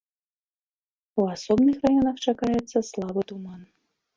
У асобных раёнах чакаецца слабы туман.